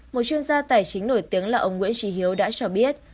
một chuyên gia tài chính nổi tiếng là ông nguyễn trí hiếu đã cho biết